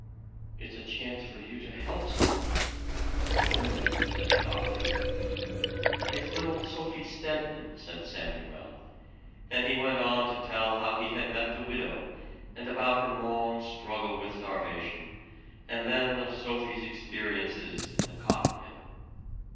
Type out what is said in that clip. "It's a chance for you to help some one." "Oh!" said the doctor. "It's little Sophie Stedman," said Samuel; and he went on to tell how he had met the widow, and about her long struggle with starvation, and then of Sophie's experiences in the cotton mill.